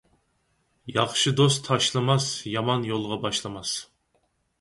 ياخشى دوست تاشلىماس، يامان يولغا باشلىماس.